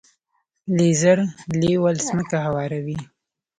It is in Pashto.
لیزر لیول ځمکه هواروي.